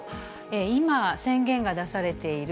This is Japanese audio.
今、宣言が出されている